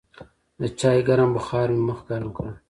د چای ګرم بخار مې مخ ګرم کړ.